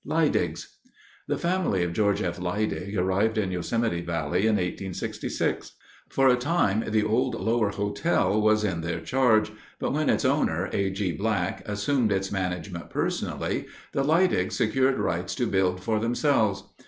Leidig's The family of George F. Leidig arrived in Yosemite Valley in 1866. For a time the old Lower Hotel was in their charge, but, when its owner, A. G. Black, assumed its management personally, the Leidigs secured rights to build for themselves.